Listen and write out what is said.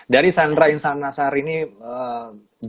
dari sandra insanasari nih